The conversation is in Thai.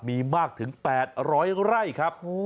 มีมากถึงแปดร้อยไร่ครับ